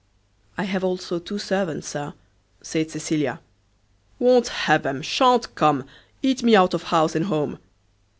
"I have also two servants, Sir," said Cecilia. "Won't have 'em! Sha'n't come! Eat me out of house and home."